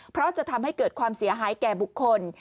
เพราะจะทำให้เกิดความเสียหายแก่บุคคล